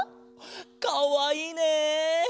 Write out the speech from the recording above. かわいいね！